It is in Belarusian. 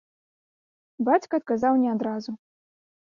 Бацька адказаў не адразу.